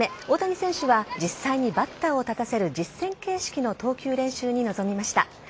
大谷選手は実際にバッターを立たせる実戦形式の投球練習に臨みました。